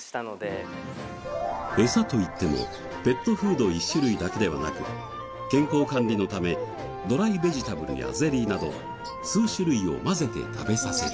エサといってもペットフード１種類だけではなく健康管理のためドライベジタブルやゼリーなど数種類を混ぜて食べさせる。